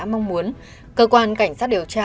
mong muốn cơ quan cảnh sát điều tra